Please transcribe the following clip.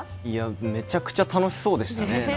めちゃくちゃ楽しそうでしたね。